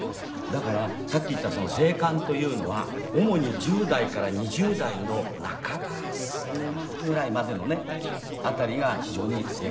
だからさっき言った精悍というのは主に１０代から２０代の半ば過ぎぐらいまでのねあたりが非常に精悍。